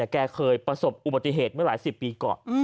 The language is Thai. แกเคยประสบอุบัติเหตุเมื่อหลายสิบปีก่อน